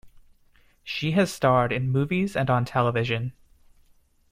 She has starred in movies and on television.